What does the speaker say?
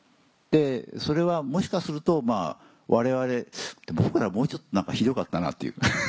それはもしかすると我々でも僕らもうちょっとひどかったなっていう。